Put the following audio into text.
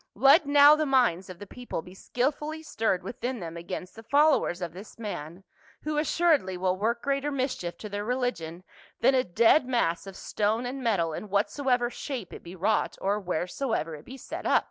Let now the minds of the people be skilfully stirred within them against the followers of this man, who assuredly will work greater mischief to their religion than a dead mass of stone and metal in whatsoever shape it be wrought or wheresoever it be set up."